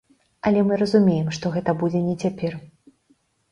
Але мы разумеем, што гэта будзе не цяпер.